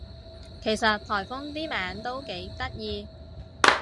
其實颱風啲名都幾得意